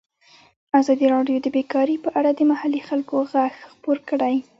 ازادي راډیو د بیکاري په اړه د محلي خلکو غږ خپور کړی.